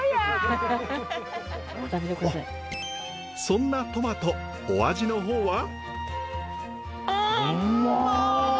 そんなトマトお味の方は？